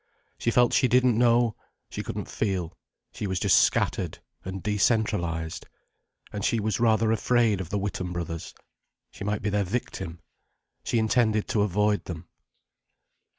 She felt she didn't know, she couldn't feel, she was just scattered and decentralized. And she was rather afraid of the Witham brothers. She might be their victim. She intended to avoid them.